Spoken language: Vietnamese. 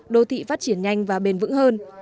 đô thị phát triển nhanh và bền vững hơn